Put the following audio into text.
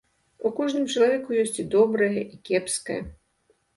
У кожным чалавеку ёсць і добрае і кепскае.